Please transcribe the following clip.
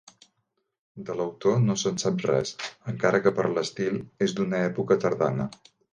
De l'autor no se'n sap res encara que per l'estil és d'una època tardana.